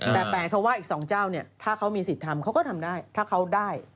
แต่หมายความว่าอีก๒เจ้าเนี่ยถ้าเขามีสิทธิ์ทำเขาก็ทำได้ถ้าเขาได้